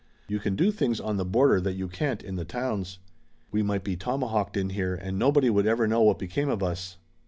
You can do things on the border that you can't in the towns. We might be tomahawked in here and nobody would ever know what became of us."